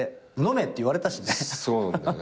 そうなんだよね。